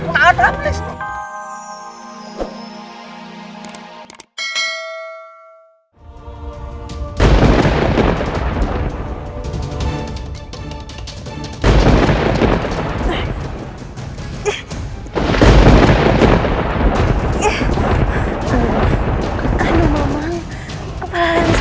tidak ada please